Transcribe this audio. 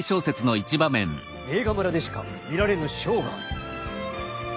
映画村でしか見られぬショーがある。